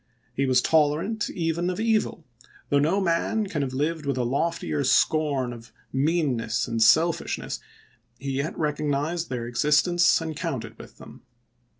He was tolerant even of evil : though no man can ever have lived with a loftier scorn of meanness LINCOLN'S FAME 355 and selfishness, he yet recognized their existence ch. xviii. and counted with them.